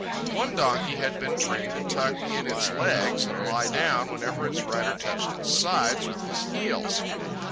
One donkey had been trained to tuck in its legs and lie down whenever its rider touched its sides with his heels.